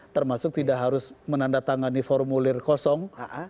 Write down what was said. termasuk tidak harus menandatangani formulir kosong